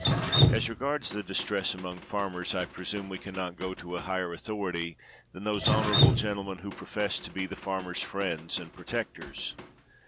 As regards the distress among farmers, I presume we can not go to a higher authoritj' than those honorable gentlemen who profess t^ be the farm ers ' friends and protectors.